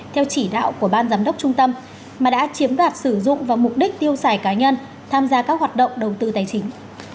theo chỉ đạo của ban giám đốc trung tâm mà đã chiếm đoạt sử dụng vào mục đích tiêu xài cá nhân tham gia các hoạt động đầu tư tài chính